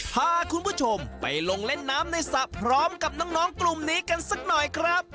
พาคุณผู้ชมไปลงเล่นน้ำในสระพร้อมกับน้องกลุ่มนี้กันสักหน่อยครับ